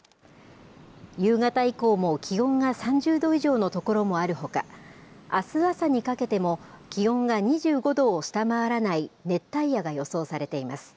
夕方以降も気温が３０度以上の所もあるほか、あす朝にかけても、気温が２５度を下回らない熱帯夜が予想されています。